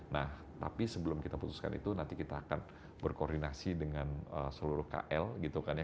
nah tapi sebelum kita putuskan itu nanti kita akan berkoordinasi dengan seluruh kl gitu kan ya